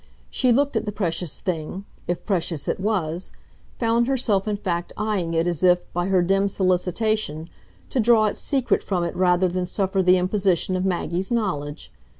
She looked at the precious thing if precious it was found herself in fact eyeing it as if, by her dim solicitation, to draw its secret from it rather than suffer the imposition of Maggie's knowledge.